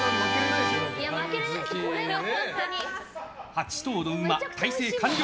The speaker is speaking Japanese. ８頭の馬、態勢完了。